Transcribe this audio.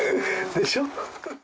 でしょ？